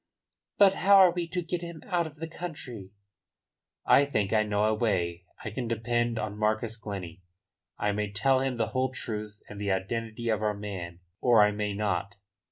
"But how are we to get him out of the country?" "I think I know a way. I can depend on Marcus Glennie. I may tell him the whole truth and the identity of our man, or I may not.